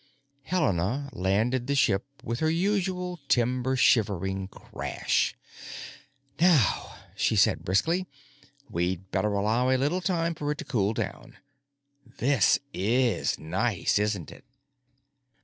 Helena landed the ship with her usual timber shivering crash. "Now," she said briskly, "we'd better allow a little time for it to cool down. This is nice, isn't it?"